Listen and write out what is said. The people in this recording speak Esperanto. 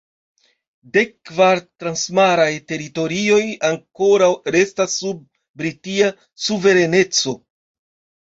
Dekkvar transmaraj teritorioj ankoraŭ restas sub Britia suvereneco.